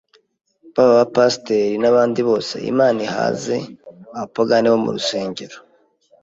baba aba pastor n’abandi bose, Imana ihaze abapagani bo murusengero,